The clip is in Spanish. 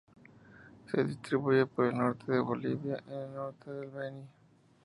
Se distribuye por el norte de Bolivia en el norte del Beni.